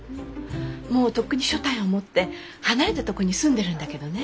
もうとっくに所帯を持って離れたとこに住んでるんだけどね。